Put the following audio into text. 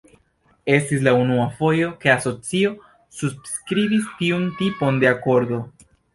Estis la unua fojo, ke asocio subskribis tiun tipon de akordo.